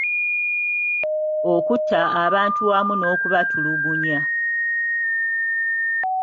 Okutta abantu awamu n'okubatulugunya